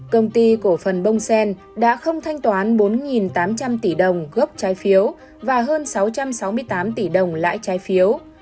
công ty cổ phần bông sen đã không thanh toán bốn tám trăm linh tỷ đồng gốc trái phiếu và hơn sáu trăm sáu mươi tám tỷ đồng lãi trái phiếu